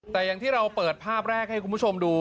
แต่อย่างที่เราเปิดภาพแรกให้คุณผู้ชมดู